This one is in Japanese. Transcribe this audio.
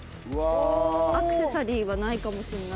「アクセサリーはないかもしれない」